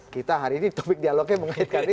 kita hari ini topik dialognya mengaitkan ini